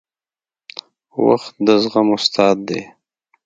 • وخت د زغم استاد دی.